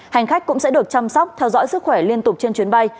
hành khách cũng sẽ được chăm sóc theo dõi sức khỏe liên tục trên chuyến bay